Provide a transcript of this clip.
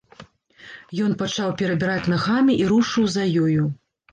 Ён пачаў перабіраць нагамі і рушыў за ёю.